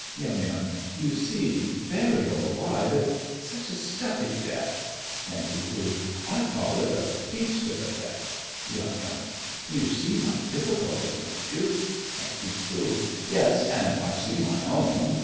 YUM. You see—burial alive—it's such a stuffy death! NANK. I call it a beast of a death. YUM. You see my difficulty, don't you? NANK. Yes, and I see my own.